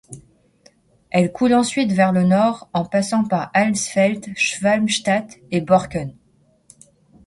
Elle coule ensuite vers le nord en passant par Alsfeld, Schwalmstadt et Borken.